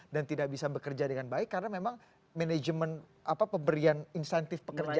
dan tidak bisa bekerja dengan baik karena memang manajemen apa pemberian insentif pekerjaannya